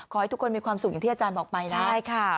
ขอให้ทุกคนมีความสุขอย่างที่อาจารย์บอกไปนะใช่ค่ะ